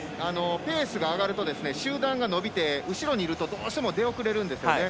ペースが上がると集団が伸びて後ろにいるとどうしても出遅れるんですよね。